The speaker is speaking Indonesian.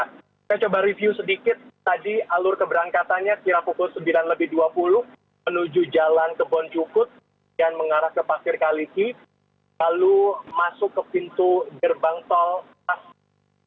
saya coba review sedikit tadi alur keberangkatannya kira pukul sembilan lebih dua puluh menuju jalan kebon cukut dan mengarah ke pasir kaliki lalu masuk ke pintu gerbang tol paski